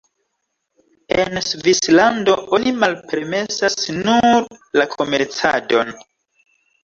En Svislando, oni malpermesas nur la komercadon.